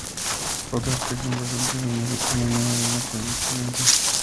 Otro aspecto importante es la longitud mínima de una coincidencia.